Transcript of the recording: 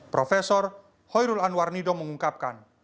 profesor hoyrul anwar nidong mengungkapkan